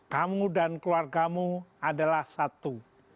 kamu dan keluargamu adalah satu